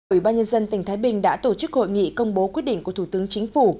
ủy ban nhân dân tỉnh thái bình đã tổ chức hội nghị công bố quyết định của thủ tướng chính phủ